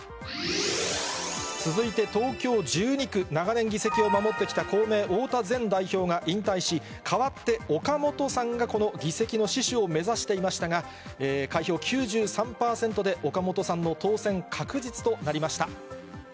続いて東京１２区、長年、議席を守ってきた公明、太田前代表が引退し、かわって岡本さんがこの議席を死守を目指していましたが、開票９３％で、万歳！